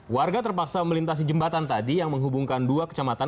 warga terpaksa melintasi jembatan tadi yang menghubungkan dua kecamatan